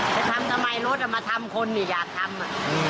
จะทำทำไมรถมาทำคนนี่อยากทำ